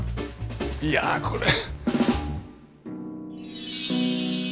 いやこれ。